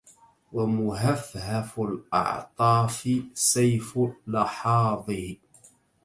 ومهفهف الاعطاف سيف لحاظه